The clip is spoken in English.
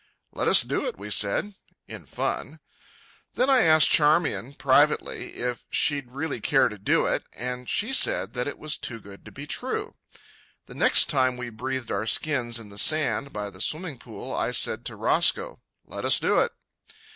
"Let us do it," we said ... in fun. Then I asked Charmian privily if she'd really care to do it, and she said that it was too good to be true. The next time we breathed our skins in the sand by the swimming pool I said to Roscoe, "Let us do it."